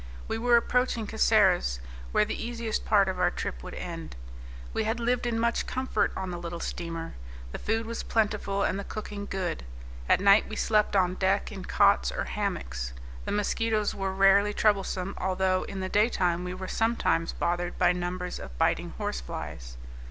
We were approaching Caceres, where the easiest part of our trip would end. We had lived in much comfort on the little steamer. The food was plentiful and the cooking good. At night we slept on deck in cots or hammocks. The mosquitoes were rarely troublesome, although in the daytime we were sometimes bothered by numbers of biting horse flies.